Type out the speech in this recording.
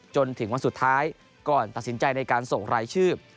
จนถึงวันสุดท้ายก่อนตัดสินใจในการส่งรายชื่อ